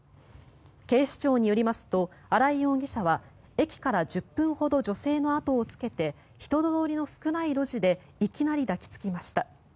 警視庁によりますと荒井容疑者は駅から１０分ほど女性の後をつけて人通りの少ない路地でいきなり抱きつきました。